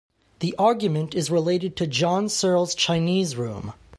The argument is related to John Searle's Chinese room.